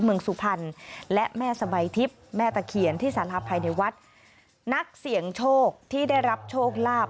สุพรรณและแม่สบายทิพย์แม่ตะเคียนที่สาราภายในวัดนักเสี่ยงโชคที่ได้รับโชคลาภ